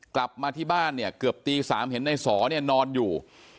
กลับมาที่บ้านเนี่ยเกือบตี๓เห็นในสอเนี่ยนอนอยู่